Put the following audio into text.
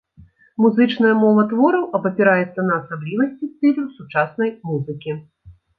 Музычная мова твораў абапіраецца на асаблівасці стылю сучаснай музыкі.